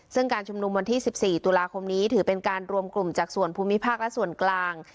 ซึ่งการชุมนุมวันที่๑๔ตุลาคมนี้ถือเป็นการรวมกลุ่มจากส่วนภูมิภาคและส่วนกลาง